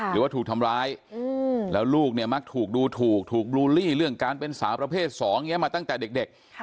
หรือว่าถูกทำร้ายแล้วลูกเนี่ยมักถูกดูถูกถูกบลูลลี่เรื่องการเป็นสาวประเภท๒อย่างนี้มาตั้งแต่เด็ก